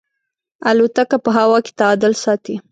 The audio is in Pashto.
الوتکه په هوا کې تعادل ساتي.